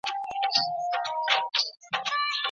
د لاس لیکنه د ژوند په ټولو برخو کي کارول کیږي.